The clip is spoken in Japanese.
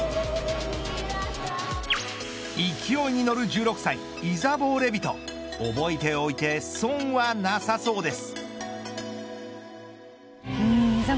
勢いに乗る１６歳イザボー・レヴィト覚えておいて損はなさそうです。